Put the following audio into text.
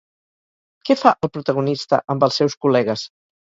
Què fa el protagonista amb els seus col·legues?